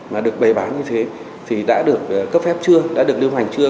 mà được bày bán như thế thì đã được cấp phép chưa đã được đương hoành chưa